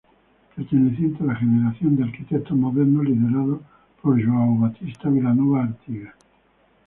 Perteneciente a la generación de arquitectos modernos liderada por João Batista Vilanova Artigas.